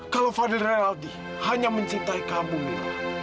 kalau fadil rinaldi hanya mencintai kamu mila